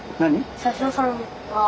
車掌さんが。